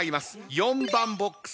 ４番ボックス